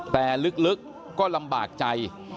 แต่ลึกก็ลำบากใจ